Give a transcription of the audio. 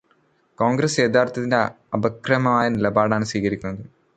കോൺഗ്രസ് യഥാർഥത്തിൽ അപക്വമായ നിലപാടാണ് സ്വീകരിക്കുന്നത്.